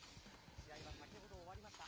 試合は先ほど終わりました。